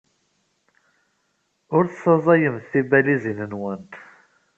Ur tessaẓyemt tibalizin-nwent.